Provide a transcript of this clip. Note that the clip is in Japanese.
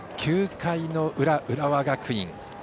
９回の裏、浦和学院。